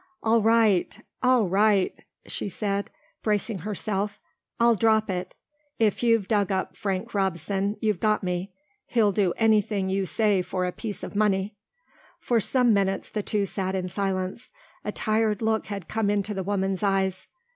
"All right! All right!" she said, bracing herself, "I'll drop it. If you've dug up Frank Robson you've got me. He'll do anything you say for a piece of money." For some minutes the two sat in silence. A tired look had come into the woman's eyes.